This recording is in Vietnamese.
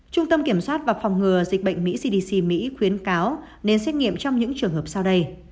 trung tâm kiểm soát và phòng ngừa dịch bệnh mỹ cdc mỹ khuyến cáo nên xét nghiệm trong những trường hợp sau đây